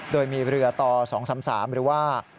โดยมีเรือต่อ๒๓๓หรือว่า